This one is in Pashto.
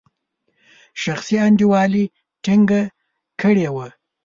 شخصي انډیوالي ټینګه کړې وه.